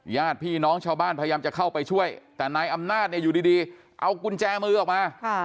ญาติพี่น้องชาวบ้านพยายามจะเข้าไปช่วยแต่นายอำนาจเนี่ยอยู่ดีเอากุญแจมือออกมา